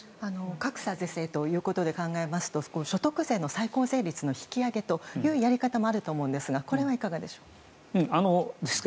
格差是正ということで考えますと所得税の最高税率の引き上げというやり方もあると思うんですがこれはいかがでしょうか。